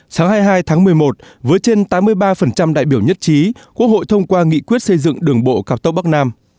sáng hai mươi hai tháng một mươi một với trên tám mươi ba đại biểu nhất trí quốc hội thông qua nghị quyết xây dựng đường bộ cao tốc bắc nam